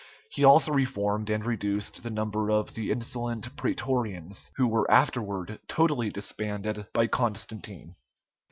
He also reformed and reduced the number of the insolent Prætorians, who were afterward totally disbanded by Constantine.